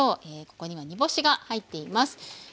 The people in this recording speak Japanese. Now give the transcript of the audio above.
ここには煮干しが入っています。